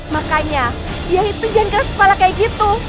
makanya ya itu jangan keras kepala kayak gitu